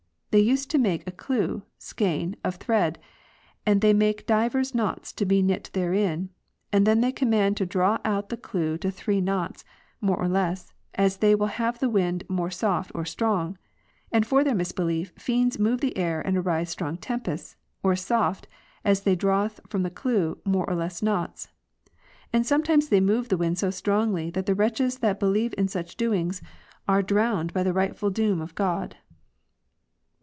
They used to make a clue [skein] of thread, and they make divers knots to be knit therein, and then they command to draw out of the clue to three knots, more or less, as they will have the wind more soft or strong; and for their misbelief fiends move the air and arise strong tempests, or soft, as they draweth of the clue more or less knots; and sometimes they move the wind so strongly that the wretches that believe in such doings are drowned by the rightful doom of God.